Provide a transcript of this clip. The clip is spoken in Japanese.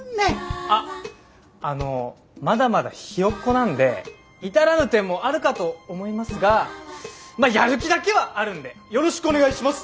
あっあのまだまだひよっこなんで至らぬ点もあるかと思いますがまあやる気だけはあるんでよろしくお願いします！